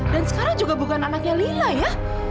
dan sekarang juga bukan anaknya lila ya